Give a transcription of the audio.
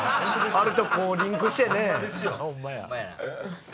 あれとこうリンクしてね。